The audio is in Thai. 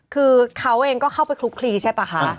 คือเขาเองก็เข้าไปคลุกคลีใช่ป่ะคะ